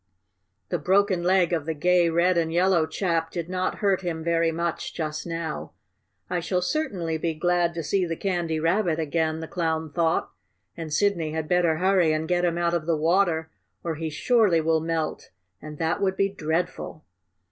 The broken leg of the gay red and yellow chap did not hurt him very much just now. "I shall certainly be glad to see the Candy Rabbit again," the Clown thought. "And Sidney had better hurry and get him out of the water, or he surely will melt, and that would be dreadful."